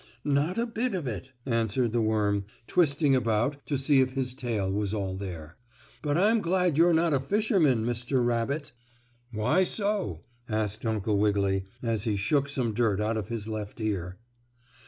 "Not a bit of it," answered the worm, twisting about to see if his tail was all there. "But I'm glad you're not a fisherman, Mr. Rabbit." "Why so?" asked Uncle Wiggily, as he shook some dirt out of his left ear.